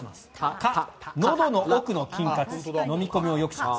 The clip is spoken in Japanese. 「カ」、のどの奥の筋活飲み込みをよくします。